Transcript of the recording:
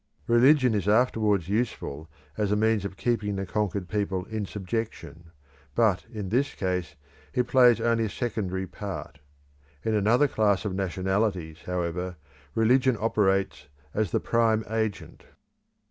Religion is afterwards useful as a means of keeping the conquered people in subjection; but in this case it plays only a secondary part. In another class of nationalities, however, religion operates as the prime agent.